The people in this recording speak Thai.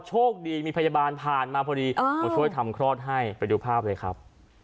โชคดีมีพยาบาลผ่านมาพอดีมาช่วยทำคลอดให้ไปดูภาพเลยครับ